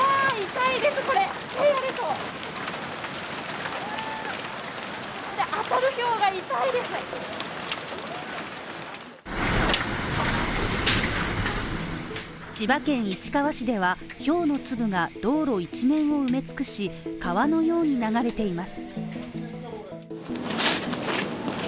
痛いですこれ千葉県市川市では、ひょうの粒が道路一面を埋め尽くし、川のように流れています。